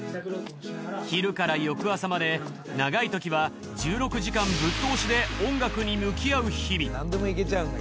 昼から翌朝まで長いときは１６時間ぶっ通しで音楽に向き合う日々。